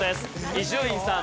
伊集院さん